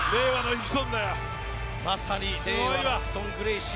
まさに令和のヒクソン・グレイシー。